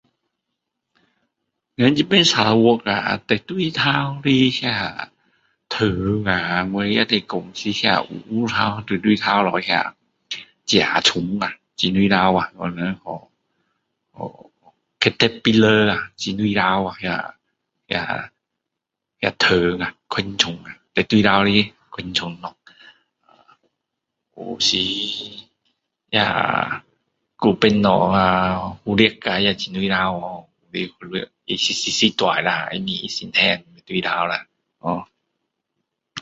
我们这边砂劳越啊最大只的那个虫啊我也是讲是那黑黑头大大只那个甲虫啊很大只啊我们叫叫caterpillar啊很大只啊那那那虫啊昆虫啊最大只的昆虫咯有时那还有别的啊蝴蝶哦也很大只哦它它翅膀大了它身体很大只啦ho